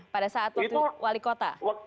pada saat wali kota